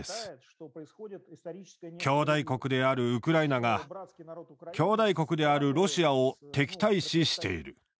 兄弟国であるウクライナが兄弟国であるロシアを敵対視している。